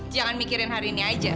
jangan mikirin hari ini aja